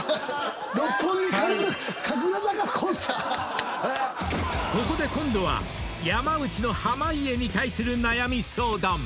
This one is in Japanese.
［ここで今度は山内の濱家に対する悩み相談］